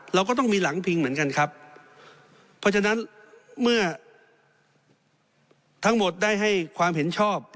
เราก็ต้องมีหลังพิงเหมือนกันครับเพราะฉะนั้นเมื่อทั้งหมดได้ให้ความเห็นชอบ